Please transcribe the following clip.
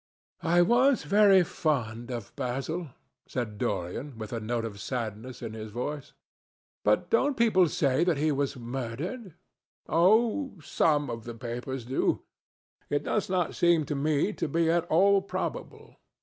"I was very fond of Basil," said Dorian with a note of sadness in his voice. "But don't people say that he was murdered?" "Oh, some of the papers do. It does not seem to me to be at all probable.